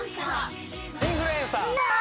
インフルエンサー。